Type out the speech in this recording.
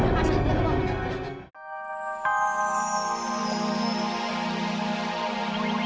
tentu siapa dia bohong ma